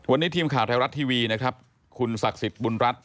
วันนี้ทีมข่าวไทยรัฐทีวีนะครับคุณศักดิ์สิทธิ์บุญรัฐ